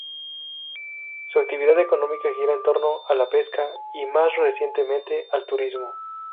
Su actividad económica gira en torno a la pesca y, más recientemente, al turismo.